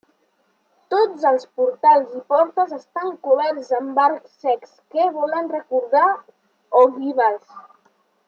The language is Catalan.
Tots els portals i portes estan coberts amb arcs cecs que volen recordar els ogivals.